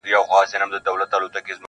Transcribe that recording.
د مرغانو پاچهۍ ته نه جوړېږي-